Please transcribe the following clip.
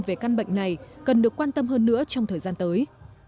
về căn bệnh này cần được quan tâm hơn nữa trong thời gian tới